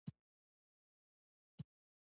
پیشو مې په ځان مین دی.